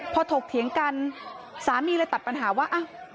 พอถกเถียงกันสามีเลยตัดปัญหาว่า